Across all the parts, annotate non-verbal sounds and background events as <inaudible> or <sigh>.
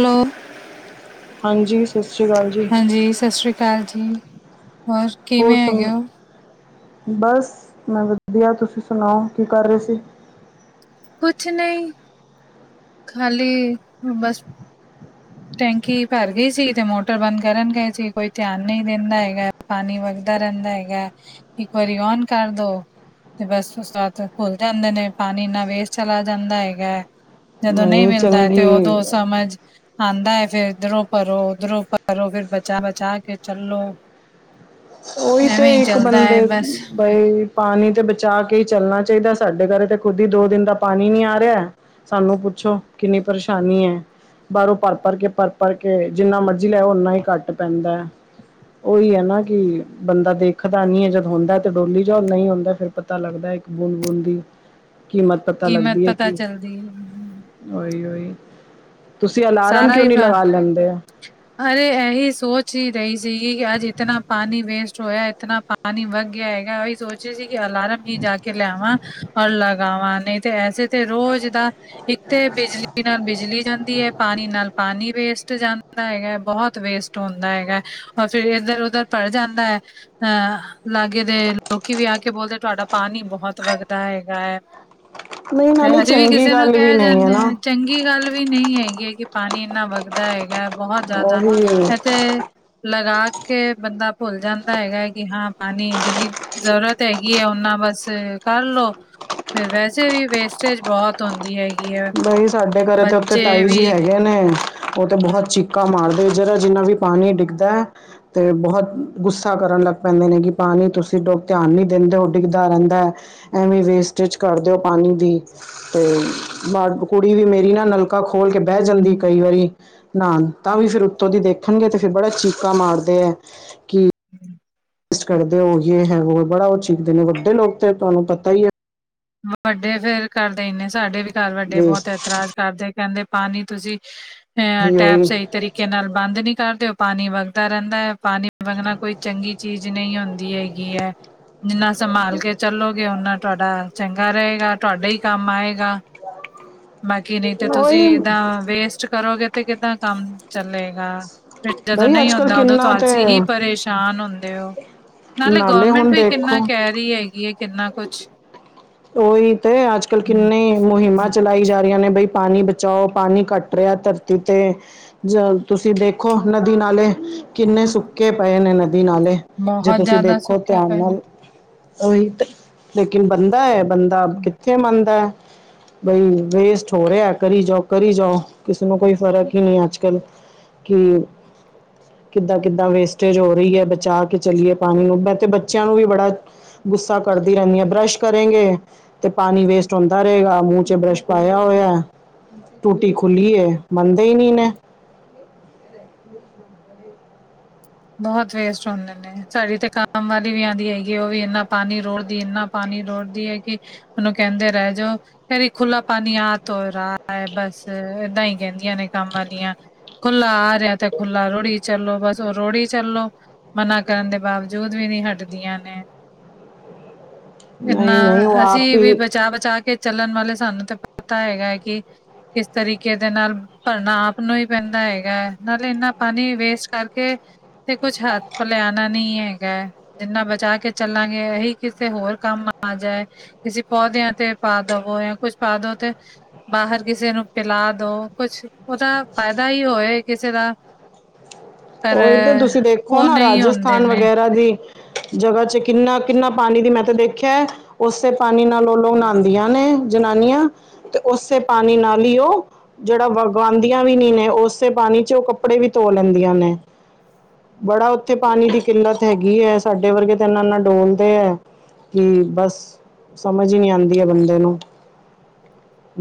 Hello. ਹਾਂਜੀ, ਸਤਿ ਸ਼੍ਰੀ ਅਕਾਲ ਜੀ। ਹਾਂਜੀ, ਸਤਿ ਸ਼੍ਰੀ ਅਕਾਲ ਜੀ। ਹੋਰ ਕਿਵੇਂ ਹੈਗੇ ਸੁਣ ਹੋ ਬਸ ਮੈਂ ਵਧੀਆ, ਤੁਸੀਂ ਸੁਣਾਓ ਕੀ ਕਰ ਰੇ ਸੀ? ਕੁਛ ਨਈ ਖਾਲੀ ਬਸ ਟੈਂਕੀ ਭਰ ਗਈ ਸੀ ਤੇ ਮੋਟਰ ਬੰਦ ਕਰਨ ਗਏ ਸੀ ਕੋਈ ਧਿਆਨ ਨਈ ਦੇੰਦਾ ਹੈਗਾ। ਪਾਣੀ ਵਗਦਾ ਰਹਿੰਦਾ ਹੈਗਾ ਇੱਕ ਵਾਰੀ ਓਨ ਕਰ ਦੋ ਤੇ ਬਸ ਉਸ ਬਾਅਦ ਭੁੱਲ ਜਾਂਦੇ ਨੇ, ਪਾਣੀ ਇੰਨਾ ਵੇਸਟ ਚਲਾ ਜਾਂਦਾ ਹੈਗਾ। ਜਦੋਂ ਨਈਂ ਨਹੀਂ ਮਿਲਦਾ ਤੇ ਚੰਗੀ ਉਦੋਂ ਸਮਝ ਆਂਦਾ ਐ ਫਿਰ ਇਧਰੋਂ ਭਰੋ, ਉੱਧਰੋਂ ਭਰੋ ਫਿਰ ਬਚਾ-ਬਚਾ ਕੇ ਚੱਲੋ। ਉਹੀ ਤੇ ਐਵੇਂ ਹੀ ਇੱਕ ਚੱਲਦਾ ਹੈ ਬੰਦੇ ਬਸ ਬਈ ਪਾਣੀ ਤੇ ਬਚਾ ਕੇ ਈ ਚੱਲਣਾ ਚਾਈਦਾ, ਸਾਡੇ ਘਰ ਤੇ ਖੁਦ ਈ ਦੋ ਦਿਨ ਦਾ ਪਾਣੀ ਨੀ ਆ ਰਿਆ। ਸਾਨੂੰ ਪੁੱਛੋ ਕਿੰਨੀ ਪਰੇਸ਼ਾਨੀ ਐ। ਬਾਰੋਂ ਭਰ-ਭਰ ਕੇ ਭਰ-ਭਰ ਕੇ ਜਿੰਨਾ ਮਰਜ਼ੀ ਲੈ ਆਓ ਓਨਾਂ ਹੀ ਘੱਟ ਪੈਂਦਾ ਐ। ਉਹੀ ਐ ਨਾ ਕਿ ਬੰਦਾ ਦੇਖਦਾ ਨੀ ਐ ਜਦ ਹੁੰਦਾ ਤੇ ਡੋਲੀ ਜਾਓ, ਨਈਂ ਹੁੰਦਾ ਫਿਰ ਪਤਾ ਲੱਗਦਾ ਇੱਕ ਬੂੰਦ-ਬੂੰਦ ਦੀ ਕੀਮਤ ਪਤਾ ਕੀਮਤ ਲੱਗਦੀ ਐ ਪਤਾ ਕੀ ਚੱਲਦੀ ਓਈ ਓਈ, ਤੁਸੀਂ ਅਲਾਰਮ ਸਾਰਾ ਕਿਉਂ ਹੀ ਨ੍ਹੀਂ ਪਾ ਲਗਾ ਲੈਂਦੇ। ਅਰੇ ਇਹੀ ਸੋਚ ਈ ਰਈ ਸੀਗੀ ਕਿ ਅੱਜ ਇਤਨਾ ਪਾਣੀ ਵੇਸਟ ਹੋਇਆ ਇਤਨਾ ਪਾ ਪਾਣੀ ਵਗ ਗਿਆ ਹੈਗਾ, ਉਹੀ ਸੋਚ ਸੀ ਕਿ ਅਲਾਰਮ ਈ ਜਾ ਕੇ ਲੈਵਾਂ ਔਰ ਲਗਾਵਾ ਨਈਂ ਤੇ ਐੇਸੇ ਤੇ ਰੋਜ਼ ਦਾ ਇੱਕਥੇ ਬਿਜਲੀ ਨਾਲ ਬਿਜਲੀ ਜਾਂਦੀ ਐ, ਪਾਣੀ ਨਾਲ ਪਾਣੀ ਵੇਸਟ ਜਾਂਦਾ। ਹੈਗਾ ਬਹੁਤ ਵੇਸਟ ਹੁੰਦਾ ਹੈਗਾ ਐ ਔਰ ਫਿਰ ਇੱਧਰ ਉਧਰ ਪੜ ਜਾਂਦਾ ਐ ਅਹ ਲਾਗੇ ਦੇ ਲੋਕੀ ਵੀ ਆ ਕੇ ਬੋਲਦੇ ਤੁਆਡਾ ਪਾਣੀ ਬਹੁਤ ਵੱਗਦਾ ਹੈਗਾ ਐ। ਨਹੀਂ ਨਾਲੇ ਅਸੀਂ ਵੀ ਚੰਗੀ ਕਿਸੇ ਨੂੰ ਗੱਲ ਵੀ ਕਹਿ ਨਹੀਂ ਹੈ ਜਾਂਣੇ ਨਾ ਆਂ। ਚੰਗੀ ਗੱਲ ਵੀ ਨਈਂ ਹੈਗੀ ਐਂ ਕਿ ਪਾਣੀ ਇੰਨਾ ਵਗਦਾ ਹੈਗਾ। ਬਹੁਤ ਜ਼ਿਆਦਾ ਉਹੀ ਇਥੇ ਲਗਾ ਕੇ ਬੰਦਾ ਭੁੱਲ ਜਾਂਦਾ ਹੈਗਾ ਕਿ ਹਾਂ ਪਾਣੀ ਜਿੰਨੀ ਜ਼ਰੂਰਤ ਹੈਗੀ ਐ ਓਨਾਂ ਬਸ ਕਰਲੋ। ਫੇਰ ਵੈਸੇ ਵੀ ਵੇਸਟੇਜ ਬਹੁਤ ਹੁੰਦੀ ਹੈਗੀ। ਹੈ ਬਾਈ ਸਾਡੇ ਘਰੇ ਤੇ ਉੱਥੇ ਬੱਚੇ ਤਾਈ ਵੀ ਜੀ ਹੈਗੇ ਨੇ ਉਹ ਤੇ ਹਮ ਬਹੁਤ ਚੀ ਕਾ ਮਾਰਦੇ ਜਰਾ ਜਿੰਨਾ ਵੀ ਪਾਣੀ ਡਿੱਗਦਾ। ਤੇ ਬਹੁਤ ਗੁੱਸਾ ਕਰਨ ਲੱਗ ਪੈਂਦੇ ਨੇ ਕਿ ਪਾਣੀ ਤੁਸੀਂ ਲੋਗ ਧਿਆਨ ਨਹੀਂ ਦਿੰਦੇ ਹੋ ਡਿੱਗਦਾ ਰਹਿੰਦਾ। ਐਵੇਂ ਵੇਸਟੇਜ ਕਰਦੇ ਓ ਪਾਣੀ ਦੀ, ਤੇ ਬਾਦ ਕੁੜੀ ਵੀ ਮੇਰੀ ਨਾ ਨਲਕਾ ਖੋਲ ਕੇ ਬਹਿ ਜਾਂਦੀ ਕਈ ਵਾਰੀ ਨਾਨ, ਤਾਂ ਵੀ ਫੇਿਰ ਉੱਤੋਂ ਦੀ ਦੇਖਣਗੇ ਤੇ ਫਿਰ ਬੜਾ ਚੀਕਾ ਮਾਰਦੇ ਹੈ ਕਿ <inaudible> ਇਸ ਘਰ ਦੇ ਉਹ ਜੇ ਹੈ ਵੋ ਹੈ, ਬੜਾ ਉਹ ਚੀਕਦੇ ਨੇ ਵੱਡੇ ਲੋਕ ਤੇ ਤੁਹਾਨੂੰ ਪਤਾ ਹੀ ਆ। ਵੱਡੇ ਫੇਰ ਕਰਦੇ ਈ ਨੇ, ਸਾਡੇ ਵੀ ਘਰ ਵੱਡੇ ਵੇਸਟ ਬਹੁਤ ਇਤਰਾਜ਼ ਕਰਦੇ ਕਹਿੰਦੇ ਪਾਣੀ ਤੁਸੀਂ ਅ ਹੀ ਟੈਪ ਉਹੀ ਸਹੀ ਤਰੀਕੇ ਨਾਲ ਬੰਦ ਨੀ ਕਰਦੇ ਓ। ਪਾਣੀ ਵਗਦਾ ਰਹਿੰਦਾ ਹੈ ਪਾਣੀ ਵਗਣਾ ਕੋਈ ਚੰਗੀ ਚੀਜ਼ ਜ਼ ਨਹੀਂ ਹੁੰਦੀ ਹੈਗੀ ਐ, ਜਿੰਨਾ ਸੰਭਾਲ ਕੇ ਚੱਲੋਗੇ ਓਨਾ ਤੁਹਾਡਾ ਚੰਗਾ ਰਹੇਗਾ, ਤੁਹਾਡੇ ਹੀ ਕੰਮ ਆਏਗਾ। ਬਾਕੀ ਨਹੀਂ ਤੇ ਤੁਸੀਂ ਉਹੀ ਏਦਾਂ ਵੇਸਟ ਕਰੋਗੇ ਤੇ ਕਿੱਦਾਂ ਕੰਮ ਚੱਲੇਗਾ ਫਿਰ ਜਦੋਂ ਬਈ ਨਹੀਂ ਅੱਜ ਕੱਲ ਹੁੰਦਾ ਉਦੋਂ ਕਿੰਨਾ ਤੇ ਤੋਂਅਸੀ ਹੀ ਪਰੇਸ਼ਾਨ ਹੁੰਦੇ ਹੋ। ਨਾਲੇ ਗੌਰਮੈਂਟ ਹੁਣ ਵੀ ਦੇਖੋ ਕਿੰਨਾ ਕਹਿ ਰਹੀ ਹੈਗੀ ਏ, ਕਿੰਨਾ ਕੁਛ ਉਹੀ ਤੇ ਅੱਜ ਕੱਲ੍ਹ ਹਮ ਕਿੰਨੇ ਹਮ ਮੁਹਿੰਮਾਂ ਚਲਾਈ ਜਾ ਰਹੀਆਂ ਨੇ ਬਈ ਪਾਣੀ ਬਚ ਚਾਓ ਪਾਣੀ ਘਟ ਰਿਹਾ ਧਰਤੀ ਤੇ ਜ ਤੁਸੀਂ ਦੇਖੋ ਨਦੀ ਨਾਲੇ ਕਿੰਨੇ ਸੁੱਕੇ ਪਏ ਨੇ ਨਦੀ ਨਾਲੇ ਜੇ ਬਹੁਤ ਤੁਸੀਂ ਜ਼ਿਆਦਾ ਦੇਖੋ ਸੁੱਕੇ ਧਿਆਨ ਪਏ ਨਾਲ ਨੇ। ਉਹੀ ਤੇ ਲੇਕਿਨ ਬੰਦਾਐ, ਬੰਦਾ ਕਿੱਥੇ ਮੰਨਦਾ। ਬਈ ਵੇਸਟ ਹੋ ਰਿਹਾ। ਕਰੀ ਜਾਓ, ਕਰੀ ਜਾਓ ਕਿਸੇ ਨੂੰ ਕੋਈ ਫਰਕ ਹੀ ਨਹੀਂ ਅੱਜ ਕੱਲ। ਕੀ ਕਿੱਦਾਂ ਕਿੱਦਾਂ ਵੇਸਟੇਜ ਹੋ ਰਹੀ ਏ। ਬਚਾ ਕੇ ਚੱਲੀਏ ਪਾਣੀ ਨੂੰ, ਮੈਂ ਤੇ ਬੱਚਿਆਂ ਨੂੰ ਵੀ ਬੜਾ ਗੁੱਸਾ ਕਰਦੀ ਰਹਿੰਨੀ ਹਾਂ, ਬਰੱਸ਼ ਕਰੇਗੇ, ਤੇ ਪਾਣੀ ਵੇਸਟ ਹੁੰਦਾ ਰਹੇਗਾ ਮੂੰਹ ਚ ਬਰੱਸ਼ ਪਾਇਆ ਹੋਇਆ ਟੂਟੀ ਖੁੱਲੀ ਐ, ਮੰਨਦੇ ਹੀ ਨੀ ਨੇ <inaudible> ਬਹੁਤ ਵੇਸਟ ਹੁੰਦੇ ਨੇ। ਨਈ ਸਾਡੀ ਤੇ ਕਮ ਵਾਲੀ ਵੀ ਆਉਂਦੀ ਹੈਗੀ, ਉਹ ਵੀ ਇੰਨਾ ਪਾਣੀ ਰੋੜਦੀ ਏ, ਇਨਾ ਪਾਣੀ ਰੋੜਦੀ ਐ ਕਿ ਉਹਨੂੰ ਕਹਿੰਦੇ ਰਹਿ ਜੋ ਕੇਰੀ ਖੁੱਲਾ ਪਾਣੀ ਆ ਤੋਂ ਰਹਾ ਹੈ, ਬਸ ਏਦਾਂ ਹੀ ਕਹਿੰਦੀਆਂ ਨੇ ਕੰਮ ਵਾਲੀਆਂ ਖੁੱਲਾ ਆ ਰਿਹਾ ਤੇ ਖੁੱਲਾ ਰੋੜੀ ਚਲੋ। ਬਸ ਉਹ ਰੋੜੀ ਚਲੋ ਮਨਾ ਕਰਨ ਦੇ ਬਾਵਜੂਦ ਵੀ ਨੀ ਹਟਦੀਆਂ ਨੇ ਇੰਨਾ ਨਹੀਂ ਨਹੀਂ ਉਹ ਆਪ ਅਸੀਂ ਵੀ ਹੀ ਬਚਾ ਬਚਾ ਕੇ ਚੱਲਣ ਵਾਲੇ ਸਾਨੂੰ ਤਾਂ ਪਤਾ ਹੈਗਾ ਹੈ ਕਿ ਕਿਸ ਤਰੀਕੇ ਦੇ ਨਾਲ ਭਰਨਾ ਆਪ ਨੂੰ ਹੀ ਪੈਂਦਾ ਹੈਗਾ, ਨਾਲੇ ਇਨਾ ਪਾਣੀ ਵੇਸਟ ਕਰਕੇ ਤੇ ਕੁੱਛ ਹੱਥ ਪਲੇ ਆਣਾ ਨਹੀਂ ਹੈਗਾ। ਜਿੰਨਾ ਬਚਾ ਕੇ ਚੱਲਾਂਗੇ ਇਹੀ ਕਿਸੇ ਹੋਰ ਕੰਮ ਆ ਜਾਏ। ਕਿਸੀ ਪੌਦਿਆਂ ਤੇ ਪਾ ਦਵੋ ਜਾਂ ਕੁੱਛ ਪਾ ਦਵੋ ਤੇ ਬਾਹਰ ਕਿਸੇ ਨੂੰ ਪਿਲਾ ਦੋ, ਕੁਛ ਉਹਦਾ ਫਾਇਦਾ ਹੀ ਹੋਏ ਕਿਸੇ ਦਾ ਪਰ ਉਹੀ ਤੇ ਤੁਸੀਂ ਦੇਖੋ ਉਹ ਨਾ ਨਹੀਂ ਹੁੰਦੇ ਰਾਜਸਥਾਨ ਨੇ ਵਗੈਰਾ ਦੀ ਜਗ੍ਹਾ ਚ ਕਿੰਨਾ ਕਿੰਨਾ ਪਾਣੀ ਦੀ ਮੈਂ ਤੇ ਦੇਖਿਆ ਐ। ਉਸੇ ਪਾਣੀ ਨਾਲ ਉਹ ਲੋਕ ਨਹਾਦੀਆਂ ਨੇ ਜਨਾਨੀਆਂ ਤੇ ਉਸੇ ਪਾਣੀ ਨਾਲ ਹੀ ਉਹ ਜਿਹੜਾ ਵਗਵਾਂਦੀਆਂ ਵੀ ਨੀ ਨੇ, ਉਸੇ ਪਾਣੀ'ਚ ਉਹ ਕੱਪੜੇ ਵੀ ਧੋ ਲੈਂਦੀਆਂ ਨੇ। ਬੜਾ ਉੱਥੇ ਪਾਣੀ ਦੀ ਕਿੱਲਤ ਹੈਗੀ ਹੈ, ਸਾਡੇ ਵਰਗੇ ਤੇ ਇੰਨਾ-ਇੰਨਾ ਡੋਲਦੇ ਐ। ਹੂੰ, ਬਸ ਸਮਝ ਹੀ ਨਹੀਂ ਆਂਦੀ ਹੈ, ਬੰਦੇ ਨੂੰ।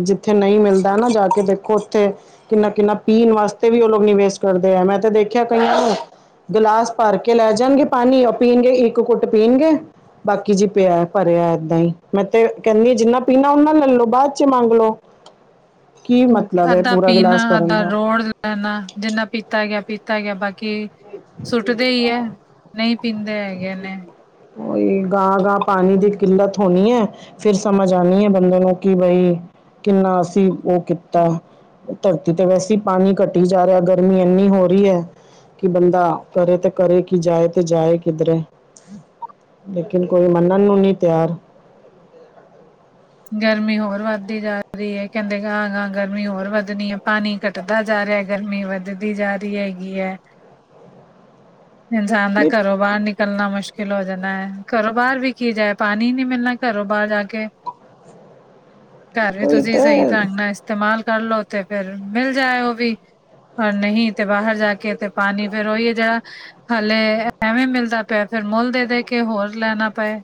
ਜਿੱਥੇ ਨਹੀਂ ਮਿਲਦਾ ਨਾ, ਜਾਕੇ ਦੇਖੋ ਉੱਥੇ ਕਿੰਨਾ-ਕਿੰਨਾ ਪੀਨ ਵਾਸਤੇ ਵੀ ਉਹ ਲੋਕ ਨੀ ਵੇਸਟ ਕਰਦੇ ਐ, ਮੈਂ ਤੇ ਦੇਖਿਆ ਕਈਆਂ ਨੂੰ ਗਿਲਾਸ ਭਰਕੇ ਲੈ ਜਾਣਗੇ ਪਾਣੀ ਉਹ ਪੀਣਗੇ, ਇੱਕ ਘੁੱਟ ਪੀਣਗੇ। ਬਾਕੀ ਜੀ ਪਿਆ, ਭਰਿਆ ਏਦਾਂ ਹੀ, ਮੈਂ ਤੇ ਕਹਿੰਦੀ ਜਿੰਨਾ ਪੀਣਾ ਓਨਾ ਲੈਲੋ, ਬਾਅਦ'ਚ ਮੰਗਲੋ। ਕੀ ਮਤਲਬ ਐ, ਪੂਰਾ ਗਿਲਾਸ ਭਰਨ ਦਾ। ਨਾ, ਜਿੰਨਾ ਪੀਤਾ ਗਿਆ, ਪੀਤਾ ਤਾ ਗਿਆ, ਬਾਕੀ ਸੁੱਟਦੇ ਈ ਹੈ, ਨਹੀਂ ਪੀਂਦੇ ਹੈਗੇ ਨੇ। ਉਈ, ਗਾਂਹ-ਗਾਂਹ ਪਾਣੀ ਦੀ ਕਿੱਲਤ ਹੋਣੀ ਐ ਫਿਰ ਸਮਝ ਆਣੀ ਐ ਬੰਦੇ ਨੂੰ, ਕਿ ਬਈ ਕਿੰਨਾ ਅਸੀਂ ਉਹ ਕੀਤਾ ਧਰਤੀ ਤੇ ਵੈਸੇ ਈ ਪਾਣੀ ਘਟੀ ਜਾ ਰਿਹਾ, ਗਰਮੀ ਇੰਨੀ ਹੋ ਰਹੀ ਐ‌। ਕਿ ਬੰਦਾ, ਕਰੇ ਤੇ ਕਰੇ ਕਿ, ਜਾਏ ਤੇ ਜਾਏ ਕਿਧਰੇ। ਲੇਕਿਨ ਕੋਈ, ਮੰਨਣ ਨੂੰ ਨਹੀਂ ਤਿਆਰ। ਗਰਮੀ ਹੋਰ ਵੱਧਦੀ ਜਾ ਰਹੀ ਏ, ਕਹਿੰਦੇ ਗਾਂਹ-ਗਾਂਹ ਗਰਮੀ ਹੋਰ ਵਧਣੀ ਏ, ਪਾਣੀ ਘੱਟਦਾ ਜਾ ਰਿਹਾ, ਗਰਮੀ ਵੱਧਦੀ ਜਾ ਰਹੀ ਹੈਗੀ ਐ। ਹ <inaudible> ਇਨਸਾਨ ਦਾ ਘਰੋਂ ਬਾਹਰ ਨਿਕਲਣਾ ਮੁਸ਼ ਕਿਲ ਹੋ ਜਾਦੈ, ਘਰੋ ਬਾਹਰ ਵੀ ਕੀ ਜਾਏ, ਪਾਣੀ ਹੀ ਨਹੀਂ ਮਿਲਣਾ ਘਰੋ ਬਾਰ ਜਾਕੇ। ਘਰ ਵੀ ਉਹੀ ਤੁਸੀਂ, ਤੇ ਸਹੀ ਢੰਗ ਨਾਲ ਇਸਤੇਮਾਲ ਕਰਲੋ ਤੇ ਫਿਰ ਮਿਲ ਜਾਏ ਉਹ ਵੀ। ਪਰ ਨਹੀਂ, ਤੇ ਬਾਹਰ ਜਾਕੇ ਤੇ ਪਾਣੀ ਫੇਰ ਉਹੀ ਹੈ ਜਿਹੜਾ ਹਾਲੇ ਐਵੇਂ ਮਿਲਦਾ ਪਿਆ, ਫਿਰ ਮੁੱਲ ਦੇ-ਦੇਕੇ ਹੋਰ ਲੈਣਾ ਪਏ,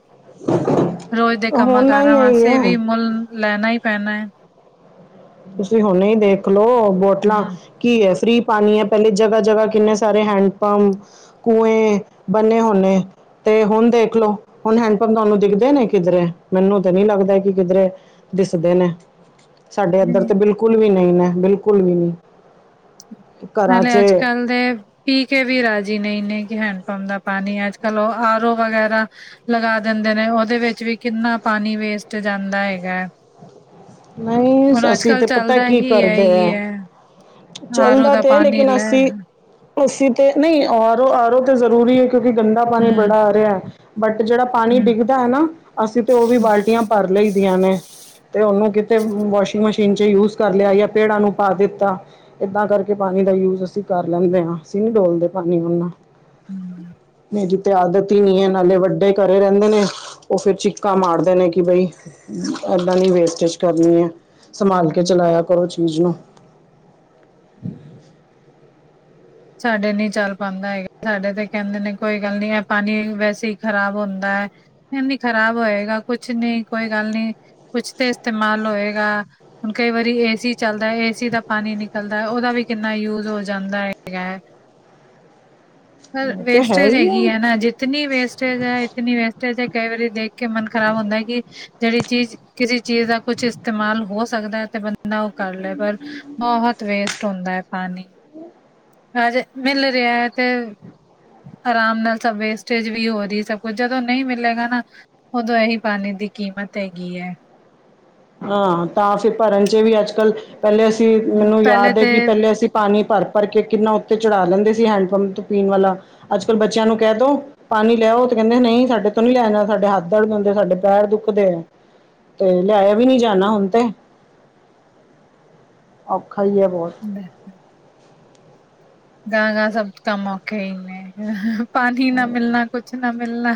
ਰੋਜ਼ ਦੇ ਹੋਣਾ ਹੀ ਕੰਮਾਂ-ਕਾਰਾਂ ਵਾਸਤੇ ਇਹੀ ਹੈ ਵੀ ਮੁੱਲ, ਲੈਣਾ ਈ ਪੈਣੈ। ਤੁਸੀਂ ਹੁਣੇ ਈ ਦੇਖਲੋ, ਬੋਟਲਾਂ ਹਮ ਕੀ ਐ, ਫ੍ਰੀ ਪਾਣੀ ਏ, ਪਹਿਲੇ ਜਗ੍ਹਾ-ਜਗ੍ਹਾ ਕਿੰਨੇ ਸਾਰੇ ਹੈਂਡ ਪੰਪ ਕੁੰਏ ਬੰਨੇ ਹੋੁਣੇ। ਤੇ ਹੁਣ ਦੇਖਲੋ, ਹੁਣ ਹੈਂਡਪੰਪ ਤੁਹਾਨੂੰ ਦਿਖਦੇ ਨੇ ਕਿਧਰੇ, ਮੈਨੂੰ ਤਾਂ ਨਹੀਂ ਲੱਗਦਾ ਕਿ ਕਿਧਰੇ ਦਿਸਦੇ ਨੇ, ਸਾਡੇ ਇੱਧਰ ਤੇ ਬਿਲਕੁਲ ਵੀ ਨਹੀਂ ਨੇ, ਬਿਲਕੁਲ ਵੀ ਨਹੀਂ। ਘਰਾਂ ਹਲੇ, 'ਚ ਅੱਜ-ਕੱਲ ਦੇ ਪੀਕੇ ਵੀ ਰਾਜ਼ੀ ਨਹੀਂਨੇ ਕਿ ਹੈਂਡ ਪੰਪ ਦਾ ਪਾਣੀ, ਅੱਜ-ਕੱਲ ਉਹ ਆਰ ਓ ਵਗੈਰਾ ਲਗਾ ਦਿੰਦੇ ਨੇ, ਉਹਦੇ ਵਿੱਚ ਵੀ ਕਿੰਨਾ ਪਾਣੀ ਵੇਸਟ ਜਾਂਦਾ ਹੇਗਾ। ਨਹੀਂ, ਅਸੀਂ ਤੇ ਪਤਾ ਚੱਲਦਾ ਕੀ ਹੀ ਹੈ ਕਰਦੇ ਹੀ ਆ। ਹੈ ਆਰ ਓ ਚੱਲਦਾ ਦਾ ਤੇ ਏ, ਪਾਣੀ ਲੇਕਿਨ ਲੈ ਅਸੀਂ ਅੱਸੀ ਤੇ ਨਹੀਂ ਆਰੋ, ਆਰੋ ਤੇ ਜ਼ਰੂਰੀ ਏ, ਕਿਉਂਕਿ ਗੰਦਾ ਪਾਣੀ ਬੜਾ ਹਮ ਆ ਰਿਹਾ। ਬਟ ਜਿਹੜਾ ਪਾਣੀ ਡਿੱਗਦਾ ਹੈ ਨਾ, ਅਸੀਂ ਤੇ ਉਹ ਵੀ ਬਾਲਟੀਆਂ ਭਰ ਲਈ ਦੀਆਂ ਨੇ, ਤੇ ਉਹਨੂੰ ਤੇ ਵਾਸ਼ਿੰਗ ਮਸ਼ੀਨ'ਚ ਯੂਜ ਕਰ ਲਿਆ, ਯਾ ਪੇੜਾਂ ਨੂੰ ਪਾ ਦਿੱਤਾ। ਏਦਾਂ ਕਰਕੇ ਪਾਣੀ ਦਾ ਯੂਜ ਅਸੀਂ ਕਰ ਲੈਂਨੇ ਆ, ਅਸੀਂ ਨੀ ਡੋਲਦੇ ਪਾਣੀ ਉਹਨਾ। ਹੂੰ ਜਿੱਥੇ ਆਦਤ ਹੀ ਨਹੀਂ ਐ, ਨਾਲੇ ਵੱਡੇ ਘਰੇ ਰਹਿੰਦੇ ਨੇ ਉਹ ਫੇਰ ਚਿੱਕਾ ਮਾਰਦੇ ਨੇ ਕਿ ਬਈ ਏਦਾਂ ਨੀ ਵੇਸਟੇਜ ਕਰਨੀ ਏ, ਸੰਭਾਲਕੇ ਚਲਾਇਆ ਕਰੋ ਚੀਜ਼ ਨੂੰ। ਸਾਡੇ ਨਹੀਂ ਚੱਲ ਪਾਂਦਾ ਹੈਗਾ, ਸਾਡੇ ਤੇ ਕਹਿੰਦੇ ਨੇ ਕੋਈ ਗੱਲ ਨੀ ਹੈ ਪਾਣੀ ਵੈਸੇ ਹੀ ਖ਼ਰਾਬ ਹੁੰਦੈ। ਨੀ ਖ਼ਰਾਬ ਹੋਏਗਾ ਕੁਛ ਨੀ, ਕੋਈ ਗੱਲ ਨੀ ਕੁਛ ਤੇ ਇਸਤੇਮਾਲ ਹੋਏਗਾ। ਹੁਣ ਕਈ ਵਾਰੀ ਏਸੀ ਚੱਲਦਾ ਏਸੀ ਦਾ ਪਾਣੀ ਨਿਕਲਦਾ, ਉਹਦਾ ਵੀ ਕਿੰਨਾ ਯੂਜ ਹੋ ਜਾਂਦਾ ਏ। ਹੈਗਾ ਏ, ਪਰ ਉਹ ਤੇ ਹੈ ਵੇਸਟੇਜ ਹੀ ਹੈਗੀ ਹੈ ਨਾ ਜਿੱ ਇਤਨੀ ਵੇਸਟੇਜ ਹੈ ਇਤਨੀ ਵੇਸਟੇਜ ਹੈ ਕਈ ਵਾਰੀ ਦੇਖ ਕੇ ਮਨ ਖ਼ਰਾਬ ਹੁੰਦਾ ਹੈ ਕਿ ਜਿਹੜੀ ਚੀਜ਼ ਕਿਸੇ ਚੀਜ਼ ਦਾ ਕੁਛ ਇਸਤੇਮਾਲ ਹੋ ਸਕਦਾ ਹੈ ਤੇ ਬੰਦਾ ਦਾ ਉਹ ਕਰ ਲਏ ਪਰ ਬਹੁਤ ਵੇਸਟ ਹੁੰਦਾ ਹੈ ਪਾਣੀ ਹਮ ਹਜੇ ਮਿਲ ਰਿਹਾ ਤੇ ਆਰਾਮ ਨਾਲ ਸਭ ਵੇਸਟੇਜ ਵੀ ਹੋ ਰਹੀ ਸਭ ਕੁਝ ਜਦੋਂ ਨਹੀਂ ਮਿਲੇਗਾ ਨਾ ਉਦੋਂ ਇਹੀ ਪਾਣੀ ਦੀ ਕੀਮਤ ਹੈਗੀ ਹੈ ਹਾਂ ਤਾਂ ਫਿਰ ਭਰਨ ਚ ਵੀ ਅੱਜ ਕੱਲ ਪਹਿਲੇ ਅਸੀਂ ਮੈਨੂੰ ਪਹਿਲੇ ਯਾਦ ਹੈ ਤੇ ਕਿ ਪਹਿਲੇ ਅਸੀਂ ਪਾਣੀ ਭਰ ਭਰ ਕੇ ਕਿੰਨਾ ਉੱਤੇ ਚੜ੍ਹਾ ਲੈਂਦੇ ਸੀ ਹੈਂਡ ਪੰਪ ਤੋਂ ਪੀਣ ਵਾਲਾ ਅੱਜ ਕੱਲ ਬੱਚਿਆਂ ਨੂੰ ਕਹਿ ਦੋ ਪਾਣੀ ਲਿਆਉ ਤੇ ਕਹਿੰਦੇ ਨਹੀਂ ਸਾਡੇ ਤੋਂ ਨੀ ਲਿਆਇਆ ਜਾਣਾ ਸਾਡੇ ਹੱਥ ਦਰਦ ਹੁੰਦੇ ਸਾਡੇ ਪੈਰ ਦੁੱਖਦੇ ਆ ਤੇ ਲਿਆਇਆ ਵੀ ਨਹੀਂ ਜਾਣਾ ਹੁਣ ਤੇ ਔਖਾ ਹੀ ਹੈ ਬਹੁਤ ਬ ਗਾਹ ਗਾਹ ਸਭ ਕੰਮ ਔਖੇ ਹੀ ਨੇ ਪਾਣੀ ਨਾ ਮਿਲਣਾ ਕੁਛ ਨਾਂ ਮਿਲਨਾ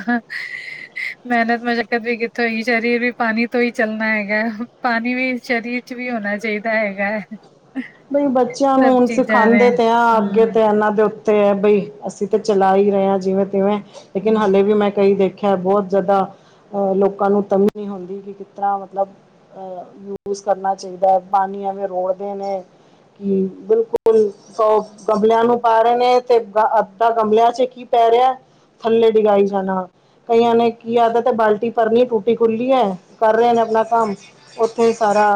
ਮਿਹਨਤ ਮਸ਼ੱਕਤ ਵੀ ਕਿੱਥੋਂ ਹੀ ਸਰੀਰ ਵੀ ਪਾਣੀ ਤੋਂ ਹੀ ਚੱਲਣਾ ਹੈਗਾ ਪਾਣੀ ਵੀ ਸ਼ਰੀਰ ਚ ਵੀ ਹੋਣਾ ਚਾਹੀਦਾ ਹੈਗਾ ਹੈ ਬਈ ਬੱਚਿਆਂ ਨੂੰ ਸਭ ਹੁਣ ਚੀਜ਼ਾਂ ਨੇ ਸਿਖਾਉਦੇ ਤੇ ਆ ਅੱਗੇ ਹਮ ਤੇ ਇਹਨਾਂ ਦੇ ਉੱਤੇ ਤੇ ਹੈ ਬਈ ਅਸੀਂ ਤਾਂ ਚਲਾ ਹੀ ਰਹੇ ਹਾਂ ਜਿਵੇਂ ਤਿਵੇਂ ਲੇਕਿਨ ਹਮ ਹਾਲੇ ਵੀ ਮੈਂ ਕਈ ਦੇਖ ਖਿਆ ਬਹੁਤ ਜ਼ਿਆਦਾ ਅਹ ਲੋਕਾਂ ਨੂੰ ਤਮੀ ਨਹੀਂ ਹੁੰਦੀ ਕਿ ਕਿਸ ਤਰ੍ਹਾਂ ਮਤਲਬ ਯੂਸ ਕਰਨਾ ਚਾਹੀਦਾ ਹੈ ਪਾਣੀ ਐਵੇਂ ਰੋੜਦੇ ਨੇ ਕਿ ਬਿਲਕੁਲ ਸੋ ਗਮਲਿਆਂ ਨੂੰ ਪਾ ਰਹੇ ਨੇ ਤੇ ਅੱਧਾ ਗਮਲਿਆਂ ਚ ਕੀ ਪੈ ਰਿਹਾ ਥੱਲੇ ਡਿਗਾਈ ਜਾਣਾ ਕਈਆਂ ਨੇ ਕੀ ਆਦਤ ਤੇ ਬਾਲਟੀ ਭਰਨੀ ਟੂਟੀ ਖੁੱਲੀ ਹੈ ਕਰ ਰਹੇ ਨੇ ਆਪਣਾ ਕੰਮ ਉੱਥੇ ਹੀ ਸਾਰਾ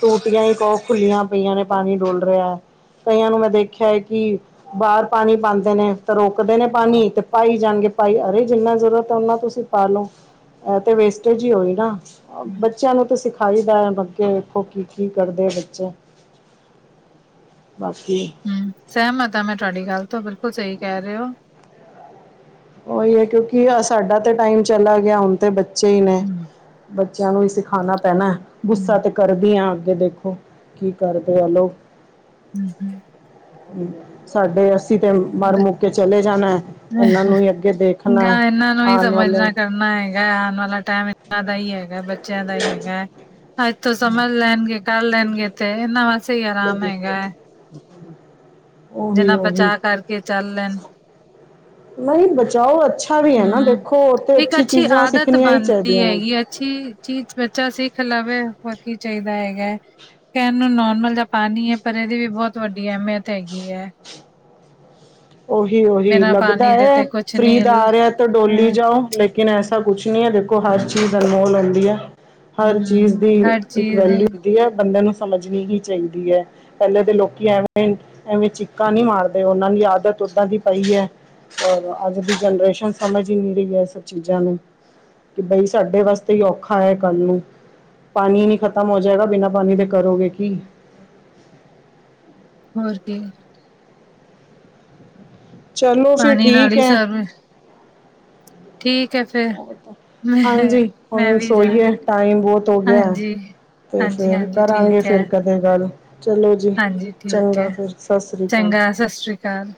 ਸੂਟੀਆਂ ਹੀ ਕਹੋ ਖੁੱਲੀਆਂ ਪਈਆਂ ਨੇ ਪਾਣੀ ਡੁਲ ਰਿਹਾ ਕਈਆਂ ਨੂੰ ਮੈਂ ਦੇਖਿਆ ਹੈ ਕਿ ਬਾਹਰ ਪਾਣੀ ਪਾਉਂਦੇ ਨੇ ਤਾਂ ਰੋਕਦੇ ਨੇ ਪਾਣੀ ਤੇ ਪਾਈ ਜਾਣਗੇ ਭਾਈ ਅਰੇ ਜਿੰਨਾ ਜ਼ਰੂਰਤ ਹੈ ਓਨਾ ਤੁਸੀਂ ਪਾ ਲਓ ਇਹ ਤੇ ਵੇਸਟੇਜ ਹੀ ਹੋਈ ਨਾ ਬੱਚਿਆਂ ਨੂੰ ਤਾਂ ਸਿਖਾਈ ਦਾ ਹੈ ਅੱਗੇ ਵੇਖੋ ਕੀ ਕੀ ਕਰਦੇ ਬੱਚੇ ਬਾਕੀ ਹਮ ਸਹਿਮਤ ਆ ਮੈਂ ਤੁਹਾਡੀ ਗੱਲ ਤੋਂ ਬਿਲਕੁਲ ਸਹੀ ਕਹਿ ਰਹੇ ਹੋ ਉਹੀ ਏ ਕਿਉਂਕਿ ਸਾਡਾ ਤੇ ਟਾਈਮ ਚਲਾ ਗਿਆ ਹੁਣ ਤੇ ਬੱਚੇ ਹੀ ਨੇ ਹਮ ਬੱਚਿਆਂ ਨੂੰ ਹੀ ਸਿਖਾਉਣਾ ਪੈਣਾ ਗੁੱਸਾ ਹਮ ਤੇ ਕਰਦੀ ਆ ਅੱਗੇ ਦੇਖੋ ਕੀ ਕਰਦੇ ਆ ਲੋ ਹਮ ਹਮ ਸਾਡੇ ਅੱਸੀਂ ਤੇ ਮਰ ਹਮ ਮੁੱਕ ਕੇ ਚਲੇ ਜਾਣਾ ਇਹਨਾਂ ਨੂੰ ਹੀ ਅੱਗੇ ਦੇਖਣਾ ਹੈ। ਗਾਹ ਇਹਨਾਂ ਨੂੰ ਹੀ ਆਉਣ ਵਾਲੇ ਸਮਝਨਾ ਕਰ ਨਾ ਹੈਗਾ ਆਉਣ ਵਾਲਾ ਟਾਈਮ ਇਹਨਾਂ ਦਾ ਹੀ ਹੈਗਾ ਬੱਚਿਆਂ ਦਾ ਹੀ ਹੈਗਾ ਅੱਜ ਤੋਂ ਸਮਝ ਲੈਣਗੇ ਕਰ ਲੈਣਗੇ ਇਥੇ ਇਹਨਾਂ ਵਾਸਤੇ ਹੀ ਆਰਾਮ ਹੈਗਾ ਹੈ ਹਮ ਉਹੀ ਜਿੰਨਾ ਉਹੀ ਬਚਾ ਕਰਕੇ ਚੱਲ ਲੈਣ ਨਹੀਂ ਬਚਾਓ ਅੱਛਾ ਅੱਛਾ ਵੀ ਹੈ ਨਾ ਹਮ ਦੇਖੋ ਉਥੇ ਇੱਕ ਅੱਛੀ ਚੀਜ਼ਾਂ ਆਦਤ ਸਿੱਖਣੀਆਂ ਹੀ ਬਣਦੀ ਚਾਹੀਦੀਆਂ ਨੇ ਹੈਗੀ ਅੱਛੀ ਚੀਜ਼ ਬੱਚਾ ਸਿੱਖ ਲਵੇ ਹੋਰ ਕੀ ਚਾਹੀਦਾ ਹੈਗਾ ਕਹਿਣ ਨੂੰ ਨੋਰਮਲ ਤਾਂ ਪਾਣੀ ਹੈ ਪਰ ਇਹਦੀ ਵੀ ਬਹੁਤ ਵੱਡੀ ਅਹਿਮੀਅਤ ਹੈਗੀ ਹੈ ਉਹੀ ਉਹੀ ਬਿਨਾਂ ਲੱਗਦਾ ਪਾਣੀ ਦੇ ਹੈ ਤੇ ਕੁਛ ਫਰੀ ਨੀ ਦਾ ਆ ਹੈ ਰਿਹਾ ਤੇ ਡੋਲੀ ਜਾਓ ਲੇਕ ਲੇਕਿਨ ਐਸਾ ਕੁਛ ਨੀ ਹੈ ਦੇਖੋ ਹਰ ਚੀਜ਼ ਅਨਮੋਲ ਹੁੰਦੀ ਹੈ। ਹਰ ਹਮ ਚੀਜ਼ ਦੀ ਹਰ ਇੱਕ ਚੀਜ਼ ਦੀ ਵੈਲਿਊ ਹੁੰਦੀ ਹੈ ਬੰਦੇ ਨੂੰ ਸਮਝਣੀ ਹੀ ਚਾਹੀਦੀ ਹੈ ਪਹਿਲੇ ਦੇ ਲੋਕੀ ਐਵੇਂ-ਐਵੇਂ ਚੀਕਾਂ ਨੀ ਮਾਰਦੇ ਉਹਨਾਂ ਦੀ ਆਦਤ ਦੁੱਦਾਂ ਦੀ ਪਾਈ ਹੈ ਔਰ ਅੱਜ ਦੀ ਜਨਰੇਸ਼ਨ ਸਮਝ ਹੀ ਨੀ ਰਹੀ ਹੈ ਇਹ ਸਭ ਚੀਜ਼ਾਂ ਨੂੰ। ਕਿ ਬਈ ਸਾਡੇ ਵਾਸਤੇ ਹੀ ਔਖਾ ਹੈ ਕੱਲ ਨੂੰ। ਪਾਣੀ ਨੀ ਖ਼ਤਮ ਹੋ ਜਾਏਗਾ ਬਿਨਾਂ ਪਾਣੀ ਦੇ ਕਰੋਗੇ ਕੀ। ਹੋਰ ਕੀ? ਚਲੋ ਫਿਰ ਪਾਣੀ ਨਾਲ ਠੀਕ ਹੀ ਹੈ। ਸਭ ਠੀਕ ਹੈ ਫਿਰ ਮੈਂ, ਹਾਂਜੀ ਮੈਂ ਹੁਣ ਵੀ ਜਾਣ ਸੋਈਏ ਟਾਈਮ ਬੋਹਤ ਹੋ ਗਿਆ। ਹਾਂਜੀ, ਤੇ ਫੇਰ ਹਾਂਜੀ-ਹਾਂਜੀ ਕਰਾਂਗੇ ਠੀਕ ਐ, ਫੇਰ ਕਦੇ ਗੱਲ। ਚਲੋ ਜੀ ਹਾਂਜੀ ਚੰਗਾ ਫੇਰ ਸਸ ਸ੍ਰੀ ਕਾਲ। ਸਸ ਸ੍ਰੀ ਕਾਲ।